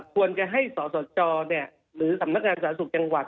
ควรจะให้สสจหรือสำนักงานสาธารณสุขจังหวัด